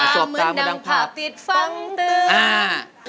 สบตาเมื่อดังภาพติดฝังเตือน